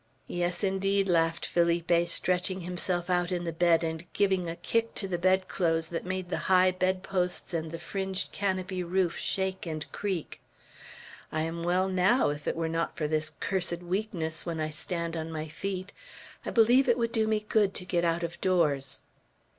"Yes, indeed," laughed Felipe, stretching himself out in the bed and giving a kick to the bedclothes that made the high bedposts and the fringed canopy roof shake and creak; "I am well now, if it were not for this cursed weakness when I stand on my feet. I believe it would do me good to get out of doors."